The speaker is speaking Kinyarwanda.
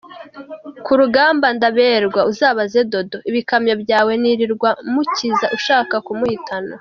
Kurugamba ndaberwa, Uzabaze Dodo, ibikamyo byawe nirirwaga mukiza ushaka kumuhitana.